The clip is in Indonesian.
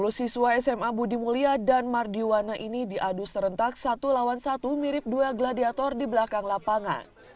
sepuluh siswa sma budi mulia dan mardiwana ini diadu serentak satu lawan satu mirip duel gladiator di belakang lapangan